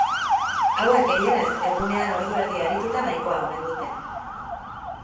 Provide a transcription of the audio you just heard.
Hauek, gehienez, egunean ordu erdi arituta nahikoa omen dute.